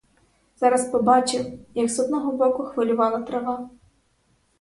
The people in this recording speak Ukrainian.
Зараз побачив, як з одного боку хвилювала трава.